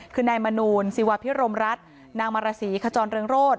คือนายมนูลศิวาพิรมรัฐนางมารสีขจรเรืองโรธ